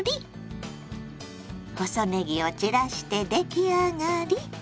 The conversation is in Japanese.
細ねぎを散らして出来上がり。